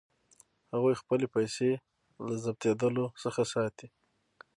هغوی خپلې پیسې له ضبظېدلو څخه ساتي.